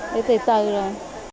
thì từ từ rồi